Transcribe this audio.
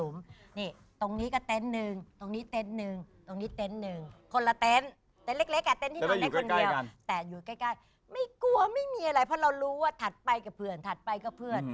ไม่มีอะไรเพราะเรารู้ว่าถัดไปกับเพื่อนถัดไปกับเพื่อน